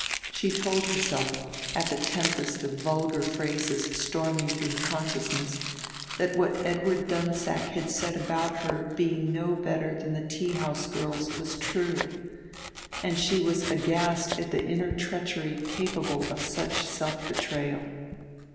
She told herself, at the tempest of vulgar phrases storming through her consciousness, that what Edward Dunsack had said about her being no better than the tea house girls was true, and she was aghast at the inner treachery capable of such self betrayal.